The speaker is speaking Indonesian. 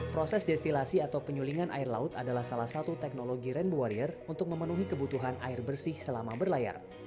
proses destilasi atau penyulingan air laut adalah salah satu teknologi rainbow warrior untuk memenuhi kebutuhan air bersih selama berlayar